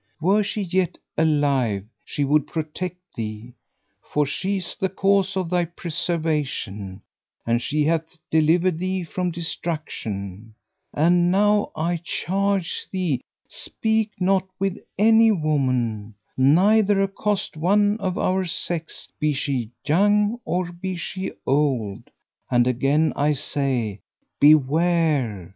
Were she yet alive, she would protect thee; for she is the cause of thy preservation and she hath delivered thee from destruction. And now I charge thee speak not with any woman, neither accost one of our sex, be she young or be she old; and again I say Beware!